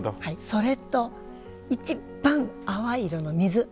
それと一番淡い色の水。